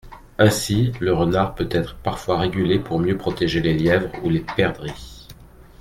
Ainsi, le renard peut être parfois régulé pour mieux protéger les lièvres ou les perdrix.